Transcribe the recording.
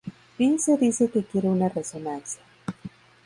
Vince dice que quiere una resonancia.